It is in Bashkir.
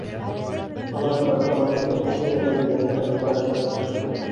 Палатала торған бөтә кеше лә бер-береһенә аптырашып